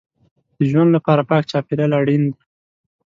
د ژوند لپاره پاک چاپېریال اړین دی.